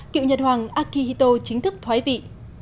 cựu nhật hoàng akihito chính thức thoái vị